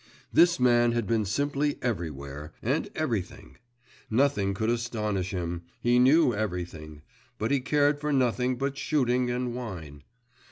This man had been simply everywhere, and everything! Nothing could astonish him, he knew everything but he cared for nothing but shooting and wine.